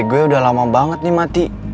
hp gua udah lama banget nih mati